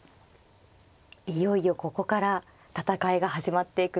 いよいよここから戦いが始まっていくという。